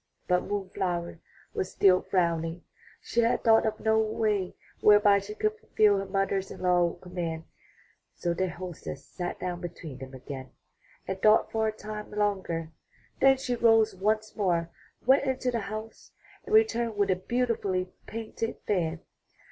But Moon flower was still frowning; she had thought of no way whereby she could fulfill her mother in law's command. So their hostess sat down between them again and thought for a time longer. Then she rose once more, went into the house, and returned with a beautifully painted fan.